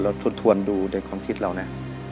แล้วทุนดูในความคิดเรานะ